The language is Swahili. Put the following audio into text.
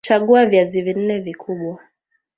Chagua viazi nne vikubwa